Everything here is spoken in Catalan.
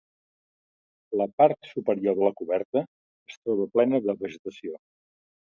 La part superior de la coberta, es troba plena de vegetació.